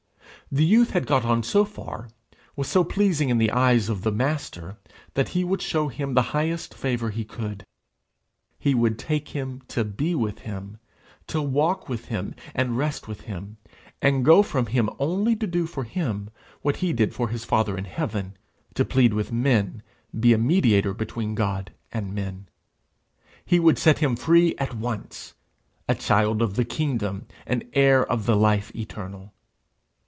The youth had got on so far, was so pleasing in the eyes of the Master, that he would show him the highest favour he could; he would take him to be with him to walk with him, and rest with him, and go from him only to do for him what he did for his Father in heaven to plead with men, he a mediator between God and men. He would set him free at once, a child of the kingdom, an heir of the life eternal.